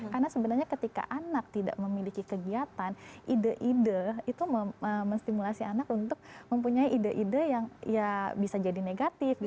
karena sebenarnya ketika anak tidak memiliki kegiatan ide ide itu memstimulasi anak untuk mempunyai ide ide yang bisa jadi negatif